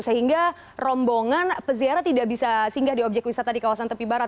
sehingga rombongan peziarah tidak bisa singgah di objek wisata di kawasan tepi barat